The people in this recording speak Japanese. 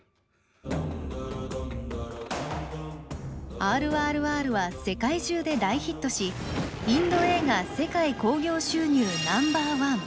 「ＲＲＲ」は世界中で大ヒットしインド映画世界興行収入Ｎｏ．１。